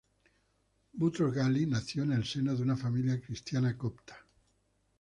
Butros-Ghali nació en el seno de una familia cristiana copta.